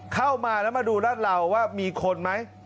เข้ามาแล้วมาดูราดราวว่ามีคนมั้ย